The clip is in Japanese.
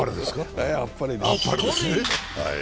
あっぱれです。